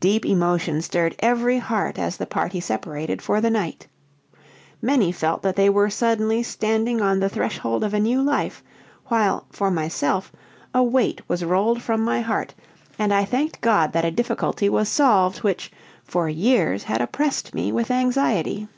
Deep emotion stirred every heart as the party separated for the night. Many felt that they were suddenly standing on the threshold of a new life, while, for myself, a weight was rolled from my heart, and I thanked God that a difficulty was solved which, for years, had oppressed me with anxiety.